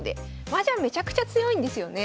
マージャンめちゃくちゃ強いんですよね。